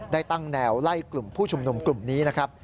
ได้ตั้งแนวไล่กลุ่มผู้ชุมนุมกลุ่มนี้นะครับ